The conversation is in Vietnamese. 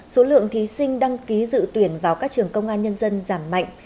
số lượng thí sinh đăng ký dự tuyển vào các trường công an nhân dân giảm mạnh